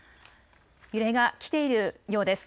揺れが来ているようです。